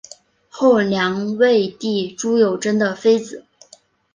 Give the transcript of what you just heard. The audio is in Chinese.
后梁末帝朱友贞的妃子。